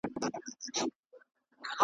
را جلا له خپلي مېني را پردېس له خپلي ځالي .